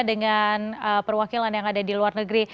dengan perwakilan yang ada di luar negeri